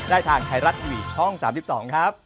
ได้ทางไทยรัตน์ทีวีช่อง๓๒ครับ